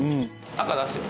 赤出すよ。